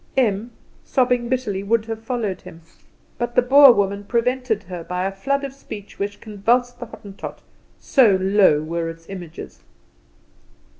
Em, sobbing bitterly, would have followed him; but the Boer woman prevented her by a flood of speech which convulsed the Hottentot, so low were its images.